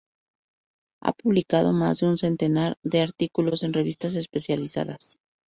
Ha publicado más de un centenar de artículos en revistas especializadas.